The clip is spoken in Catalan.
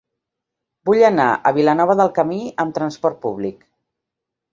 Vull anar a Vilanova del Camí amb trasport públic.